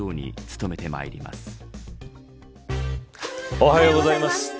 おはようございます。